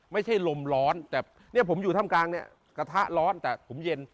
ไม่ใช่ลมร้อนแบบผมอยู่ถ้ำกลางกระทะร้อนแต่ผมเย็น